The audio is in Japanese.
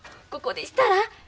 ここでしたら？